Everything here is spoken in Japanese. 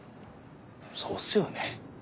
そうっすよね。